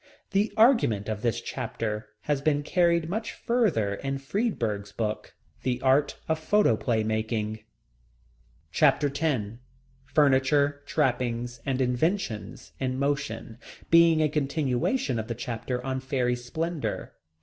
The argument of this chapter has been carried much further in Freeburg's book, The Art of Photoplay Making. Chapter X Furniture, Trappings, and Inventions in Motion, being a continuation of the chapter on Fairy Splendor.